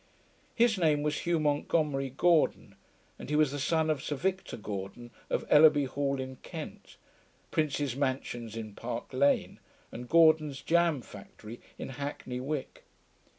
His name was Hugh Montgomery Gordon, and he was the son of Sir Victor Gordon of Ellaby Hall in Kent, Prince's Mansions in Park Lane, and Gordon's Jam Factory in Hackney Wick.